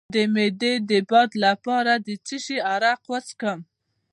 د معدې د باد لپاره د څه شي عرق وڅښم؟